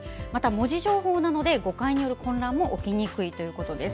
文字情報なので誤解による混乱も起きにくいということです。